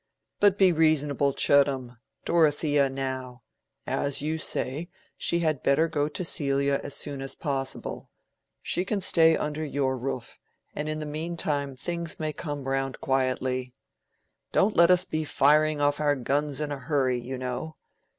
"But be reasonable, Chettam. Dorothea, now. As you say, she had better go to Celia as soon as possible. She can stay under your roof, and in the mean time things may come round quietly. Don't let us be firing off our guns in a hurry, you know.